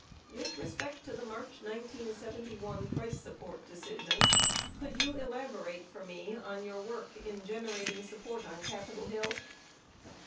With respect to the March 1971 price support decision, could you elaborate for me on your work in gen erating support on Capitol Hill?